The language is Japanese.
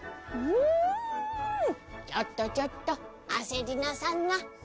「ちょっとちょっと焦りなさんな」。